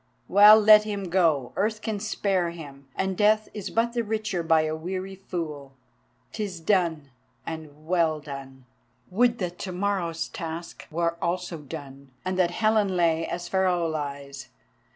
Well, let him go! Earth can spare him, and Death is but the richer by a weary fool. 'Tis done, and well done! Would that to morrow's task were also done—and that Helen lay as Pharaoh lies.